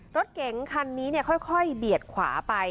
รถเก๋งคันนี้ค่อยเบียดขวาไป